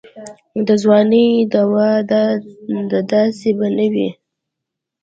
د ځوانۍ دوا دا داسې به نه وي.